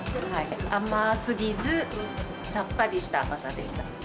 甘すぎず、さっぱりした甘さでした。